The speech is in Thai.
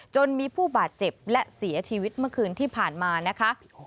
จนมีผู้บาดเจ็บและเสียชีวิตเมื่อคืนที่ผ่านมานะคะ